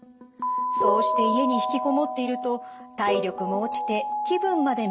そうして家に引きこもっていると体力も落ちて気分まで滅入ってしまう。